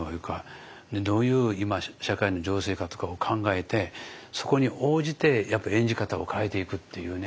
でどういう今社会の情勢かとかを考えてそこに応じてやっぱり演じ方を変えていくっていうね。